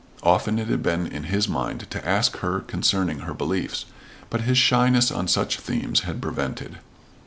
Often it had been in his mind to ask her concerning her beliefs, but his shyness on such themes had prevented.